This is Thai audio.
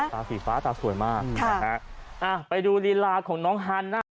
ตาสีฟ้าตาสวยมากไปดูลีลาของน้องฮันนะ